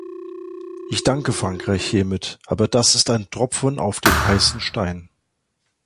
Ich danke Frankreich hiermit, aber das ist ein Tropfen auf den heißen Stein.